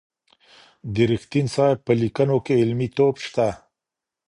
د رښتین صاحب په لیکنو کي علمي توب شته.